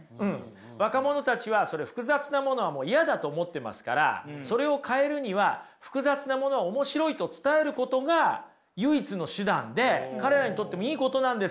若者たちは複雑なものはもう嫌だと思ってますからそれを変えるには複雑なものは面白いと伝えることが唯一の手段で彼らにとってもいいことなんですよ。